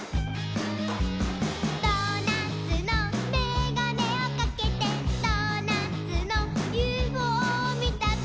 「ドーナツのメガネをかけてドーナツのＵＦＯみたぞ」